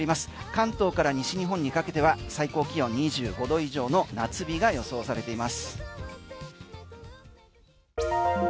関東から西日本にかけては最高気温２５度以上の夏日が予想されています。